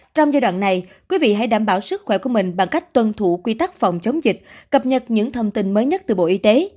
trong giai đoạn này quý vị hãy đảm bảo sức khỏe của mình bằng cách tuân thủ quy tắc phòng chống dịch cập nhật những thông tin mới nhất từ bộ y tế